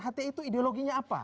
hti itu ideologinya apa